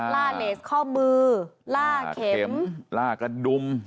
ล่าเลสข้อมือล่าเข็มเข็มล่ากระดุม